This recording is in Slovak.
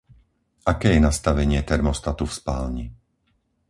Aké je nastavenie termostatu v spálni?